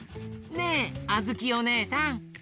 ねえあづきおねえさん